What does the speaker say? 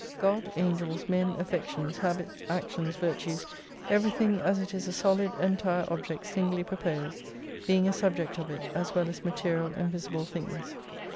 God, Angels, Men, Affections, Habits, Actions, Virtues, everything as it is a solid, entire object singly proposed, being a subject of it, as well as material and visible things.